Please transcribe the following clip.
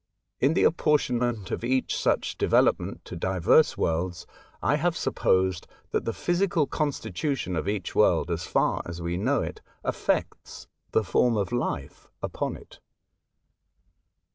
In the apportionment of each such development to divers worlds, I have sup posed that the physical constitution of each Avorld, as far as we know it, affects the form of life upon it.